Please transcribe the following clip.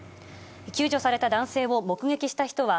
救助された男性を目撃した人は、